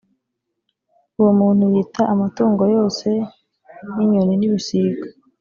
uwo muntu yita amatungo yose n’inyoni n’ibisiga